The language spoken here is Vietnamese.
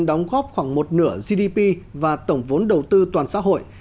đóng góp khoảng một nửa gdp và tổng vốn đầu tư toàn xã hội